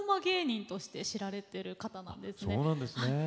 芸人として知られている方なんですね。